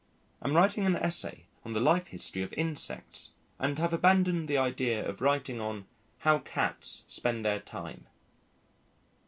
Am writing an essay on the life history of insects and have abandoned the idea of writing on "How Cats Spend their Time."